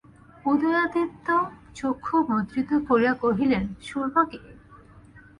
উদয়াদিত্য চক্ষু মুদ্রিত করিয়া কহিলেন, সুরমা কি?